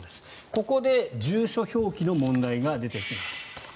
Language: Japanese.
ここで住所表記の問題が出てきます。